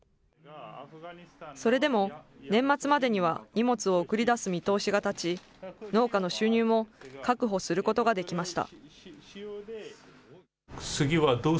それでも年末までには荷物を送りだす見通しが立ち、農家の収入も確保することができました。